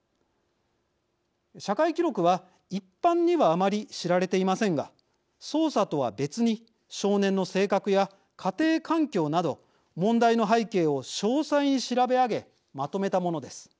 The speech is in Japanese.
社会記録は一般にはあまり知られていませんが捜査とは別に少年の性格や家庭環境など問題の背景を詳細に調べ上げまとめたものです。